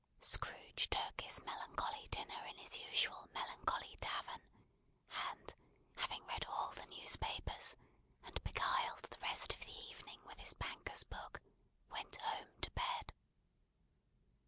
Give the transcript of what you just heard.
Scrooge took his melancholy dinner in his usual melancholy tavern; and having read all the newspapers, and beguiled the rest of the evening with his banker's book, went home to bed.